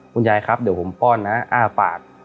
คุณยายครับเดี๋ยวผมป้อนนะอ้าปาก